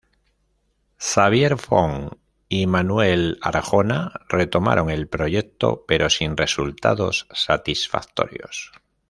Xavier Font y Manuel Arjona retomaron el proyecto, pero sin resultados satisfactorios.